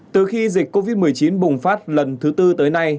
từ khi dịch covid một mươi chín bùng phát lần thứ tư tới nay